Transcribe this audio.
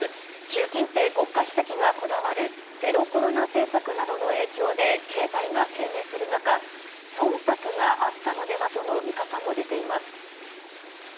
習近平国家主席がこだわるゼロコロナ政策などの影響で、経済が低迷する中、そんたくがあったのではとの見方も出ています。